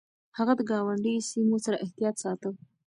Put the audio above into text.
هغه د ګاونډي سيمو سره احتياط ساته.